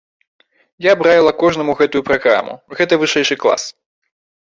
Я б раіла кожнаму гэтую праграму, гэта вышэйшы клас.